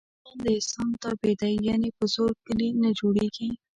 انسان د احسان تابع دی. یعنې په زور کلي نه جوړېږي.